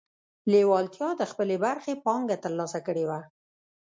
لېوالتیا د خپلې برخې پانګه ترلاسه کړې وه